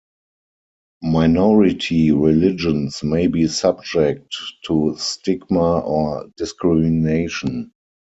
Minority religions may be subject to stigma or discrimination.